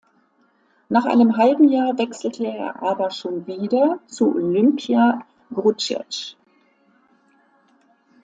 Nach einem halben Jahr wechselte er aber schon wieder zu Olimpia Grudziądz.